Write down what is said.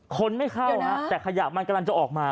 คนไม่เข้าฮะแต่ขยะมันกำลังจะออกมา